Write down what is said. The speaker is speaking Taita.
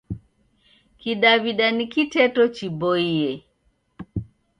Kidaw'ida ni kiteto chiboie.